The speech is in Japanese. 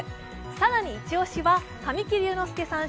更にイチ押しは神木隆之介さん